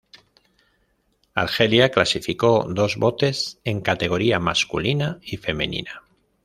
Argelia clasificó dos botes, en categoría masculina y femenina.